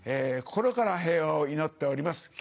心から平和を祈っております